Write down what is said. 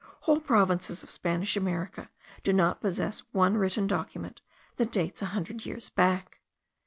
Whole provinces of Spanish America do not possess one written document that dates a hundred years back.